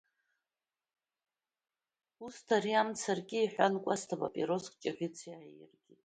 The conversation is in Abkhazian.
Усҭ, ари амца арки, — иҳәан Кәасҭа папироск Ҷаӷьыц иааииркит.